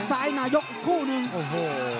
ตามต่อยกที่๓ครับ